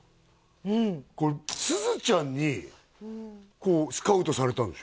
うんすずちゃんにスカウトされたんでしょ？